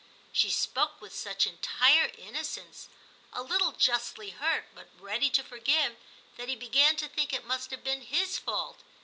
She spoke with such entire innocence, a little justly hurt, but ready to forgive, that he began to think it must have been his fault.